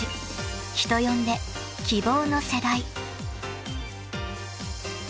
［人呼んで「希望の世代」］